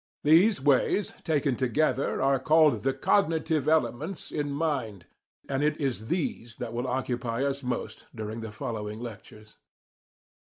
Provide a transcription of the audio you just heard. These ways, taken together, are called the "cognitive" elements in mind, and it is these that will occupy us most during the following lectures.